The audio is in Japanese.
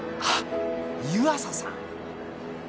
あっ湯浅さん！